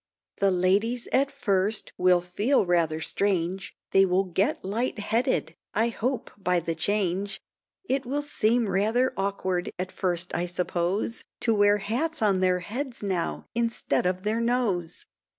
The ladies at first will feel rather strange, They will get light headed I hope by the change, It will seem rather awkward at first I suppose, To wear hats on their heads now, instead of their nose.